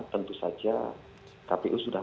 tentu saja kpu sudah